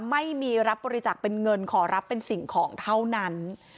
ไม่มีรับบริจาคเป็นเงินขอรับเป็นสิ่งของเท่านั้น